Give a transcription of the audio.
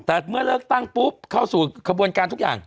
แต่เมื่อเลือกตั้งปุ๊บเข้าสู่กระบวนการทุกอย่าง